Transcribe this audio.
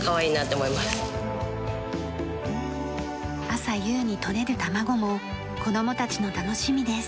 朝夕にとれる卵も子どもたちの楽しみです。